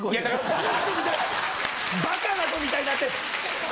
だからバカな子みたいになって。